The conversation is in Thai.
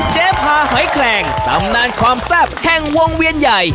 เจภาหอยแครงตำนานความทรัพย์แห่งวงเวียนใหญ่